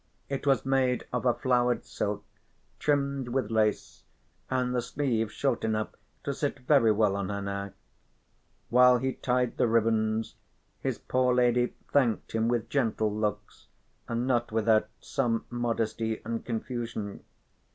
It was made of a flowered silk, trimmed with lace, and the sleeves short enough to sit very well on her now. While he tied the ribands his poor lady thanked him with gentle looks and not without some modesty and confusion.